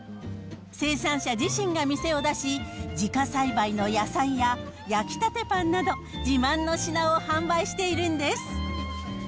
生産者自身が店を出し、自家栽培の野菜や焼き立てパンなど、自慢の品を販売しているんです。